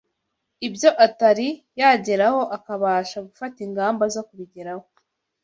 ibyo atari yageraho akabasha gufata ingamba zo kubigeraho